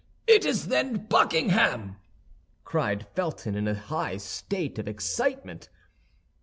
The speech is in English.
It is, then, Buckingham!" cried Felton, in a high state of excitement.